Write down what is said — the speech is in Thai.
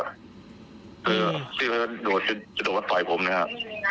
คือพี่พระเจ้าโดดโดดก็ต่อยผมนะครับ